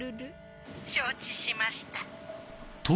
承知しました。